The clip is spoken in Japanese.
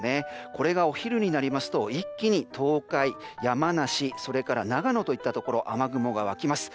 これがお昼になりますと一気に東海、山梨それから長野といったところ雨雲が湧きます。